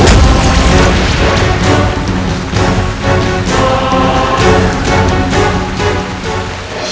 aku akan mencari ucapanmu